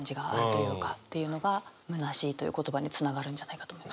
っていうのがむなしいという言葉につながるんじゃないかと思いました。